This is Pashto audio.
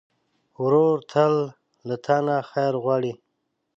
ورور تل له تا نه خیر غواړي.